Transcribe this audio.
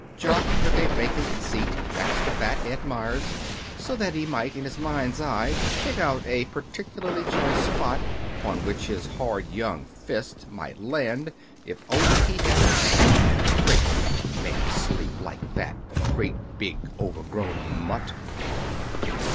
Jock took a vacant seat next to Fat Ed Meyers so that he might, in his mind's eye, pick out a particularly choice spot upon which his hard young fist might land if only he had the chance. Breaking up a man's sleep like that, the great big overgrown mutt!